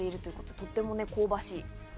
とても香ばしい。